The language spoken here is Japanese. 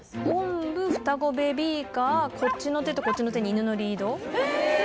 おんぶ、双子ベビーカー、こっちの手とこっちの手に犬のリード。